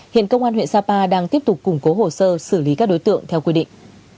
hiện công an huyện sapa đang tiếp tục củng cố hồ sơ xử lý các đối tượng theo quy định